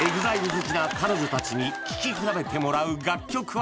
好きな彼女たちに聴き比べてもらう楽曲は？